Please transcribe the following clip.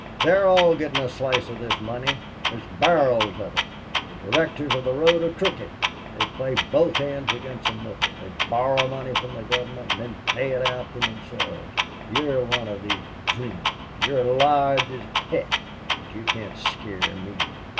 "They're all getting a slice of this money. There's barrels of it. The directors of the road are crooked. They play both ends against the middle. They borrow money from the government and then pay it out to themselves. You're one of these dreamers. You're Lodge's pet. But you can't scare me."